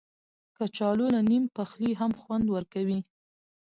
کچالو له نیم پخلي هم خوند ورکوي